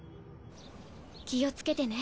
気をつけてね。